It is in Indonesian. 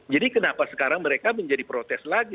jadi kenapa sekarang mereka menjadi protes lagi